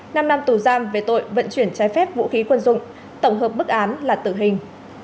năm năm tù giam về tội vận chuyển trái phép vũ khí quân dụng tổng hợp bức án là tử hình